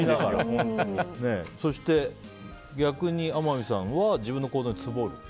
そして、逆に天海さんは自分の行動にツボる。